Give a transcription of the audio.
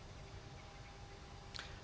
karena membuat animasi itu kan butuh pengetahuan